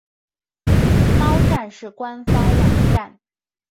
猫战士官方网站